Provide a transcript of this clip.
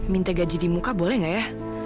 minta gaji di muka boleh nggak ya